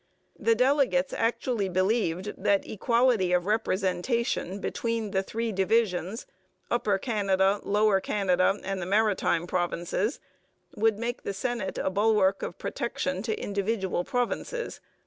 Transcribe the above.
The delegates actually believed that equality of representation between the three divisions, Upper Canada, Lower Canada, and the Maritime Provinces, would make the Senate a bulwark of protection to individual provinces.